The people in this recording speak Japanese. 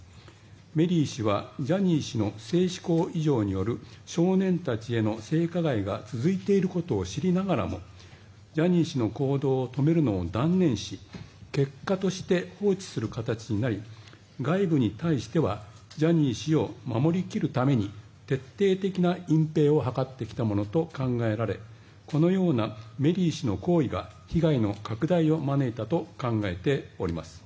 メリー氏はジャニー氏の性嗜好異常による少年たちの性加害が続いていることを知りながらもジャニー氏の行動を止めるのを断念し結果として放置する形となり外部に対してはジャニー氏を守りきるために徹底的な隠ぺいを図ってきたものと考えられこのようなメリー氏の行為が被害の拡大を招いたと考えております。